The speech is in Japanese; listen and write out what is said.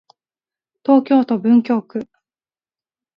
東京都文京区